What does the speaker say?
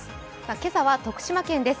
今朝は徳島県です。